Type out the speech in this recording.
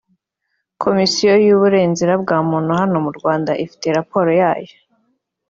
Komisiyo y’uburenzira bwa muntu hano mu Rwanda ifite raporo yayo